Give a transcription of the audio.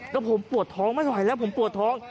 แล้วผมปวดท้องไม่ไหวแล้วผมปวดท้อง